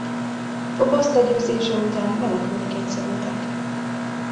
Phobos legyőzése után menekülni kényszerültek.